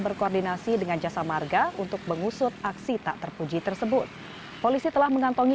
berkoordinasi dengan jasa marga untuk mengusut aksi tak terpuji tersebut polisi telah mengantongi